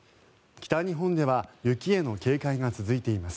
北日本では雪への警戒が続いています。